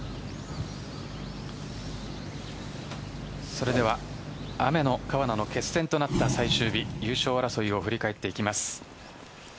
それでは雨の川奈の決戦となった最終日優勝争いを振り返っていきます。